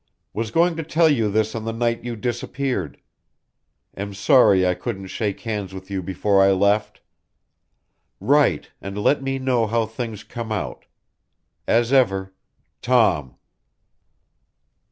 Was going to tell you this on the night you disappeared. Am sorry I couldn't shake hands with you before I left. Write and let me know how things come out. As ever, TOM.